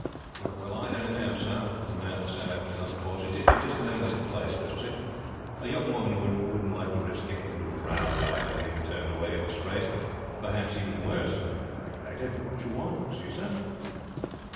"Well, I don't know, sir," the man said after another pause. "It isn't only the place; but, you see, a young woman wouldn't like to risk getting into a row like and being turned away in disgrace, or perhaps even worse. I don't know what you want, you see, sir?"